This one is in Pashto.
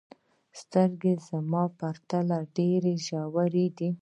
ستا سترګې زموږ په پرتله ډېرې ژورې دي.